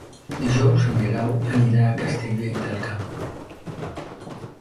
Dijous en Guerau anirà a Castellvell del Camp.